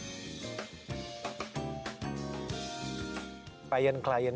payan klien yang anda miliki saat ini